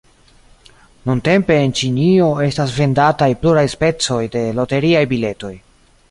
Nuntempe en Ĉinio estas vendataj pluraj specoj de loteriaj biletoj.